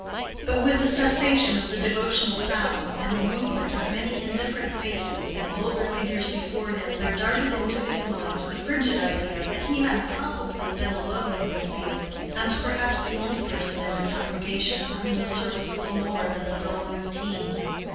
But with the cessation of the devotional sounds and the movement of many indifferent faces and vulgar figures before him there darted into his mind the frigid idea that he had probably been alone in his feeling, and perhaps the only person in the congregation for whom the service was more than a dull routine.